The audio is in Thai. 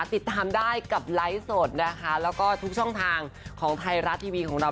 ติดตามได้กับไลฟ์สดนะคะแล้วก็ทุกช่องทางของไทยรัฐทีวีของเรา